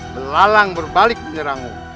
melalang berbalik menyerangmu